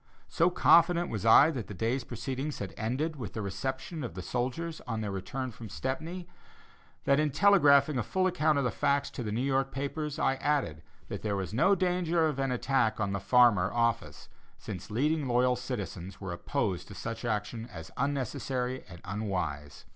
So confident was I that the day's proceedings had ended with the reception of the soldiers on their return from Stepney, that in telegraphing a full account of the facts to the New York papers, I added that there was no danger of an attack upon the Farmer office, since leading loyal citizens were opposed to such action as unnecessary and unwise.